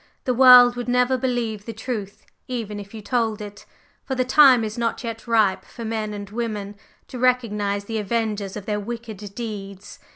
The world would never believe the truth, even if you told it, for the time is not yet ripe for men and women to recognize the avengers of their wicked deeds.